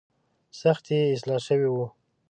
سختي یې اصلاح شوې وه.